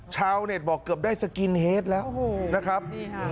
ชาวเน็ตบอกเกือบได้สกินเฮดแล้วนะครับ